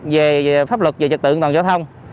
về pháp luật về trật tượng toàn giao thông